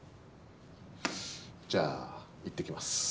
じゃあ、いってきます。